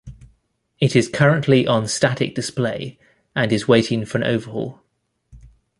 It is currently on static display and is waiting for an overhaul.